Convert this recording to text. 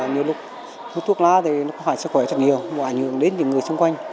nhiều lúc hút thuốc lá thì nó có hại sức khỏe rất nhiều hại nhường đến những người xung quanh